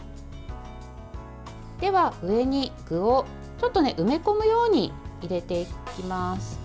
では上に具を埋め込むように入れていきます。